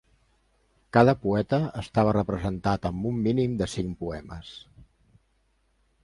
Cada poeta estava representat amb un mínim de cinc poemes.